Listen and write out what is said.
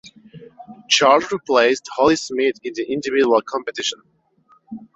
Charles replaced Holly Smith in the individual competition.